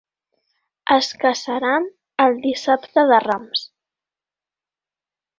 Es casaran el Dissabte de Rams.